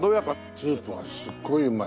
スープはすっごいうまい。